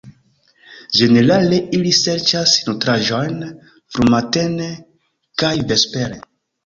Ĝenerale ili serĉas nutraĵojn frumatene kaj vespere.